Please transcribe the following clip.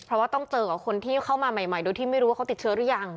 เพราะว่าต้องเจอกับคนที่เข้ามาใหม่โดยที่ไม่รู้ว่าเขาติดเชื้อหรือยัง